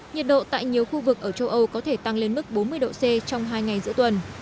nhiệt độ tại nhiều khu vực ở châu âu có thể tăng lên mức bốn mươi độ c trong hai ngày giữa tuần